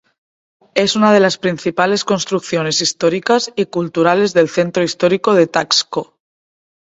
Es una de las principales construcciones históricas y culturales del Centro histórico de Taxco.